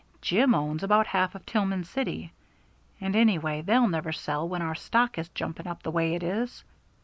"Jim owns about half of Tillman City, and anyway they'll never sell when our stock is jumping up the way it is."